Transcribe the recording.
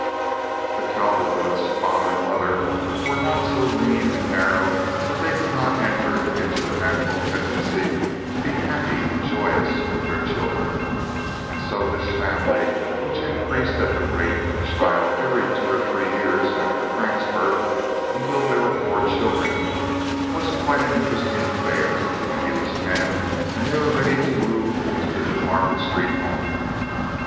The Cowperwoods, father and mother, were not so lean and narrow that they could not enter into the natural tendency to be happy and joyous with their children; and so this family, which increased at the rate of a child every two or three years after Frank's birth until there were four children, was quite an interesting affair when he was ten and they were ready to move into the New Market Street home.